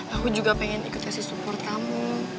aku juga pengen ikut kasih support kamu